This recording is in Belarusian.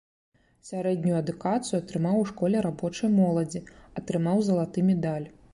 Сярэднюю адукацыю атрымаў у школе рабочай моладзі, атрымаў залаты медаль.